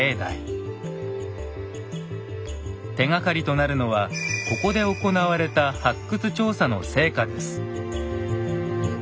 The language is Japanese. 手がかりとなるのはここで行われた発掘調査の成果です。